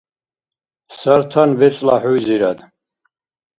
Сартан бецӏла хӏуйзирад